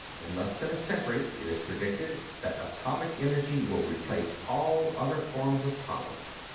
In less than a century, it's predicted that atomic energy will replace all other forms of power.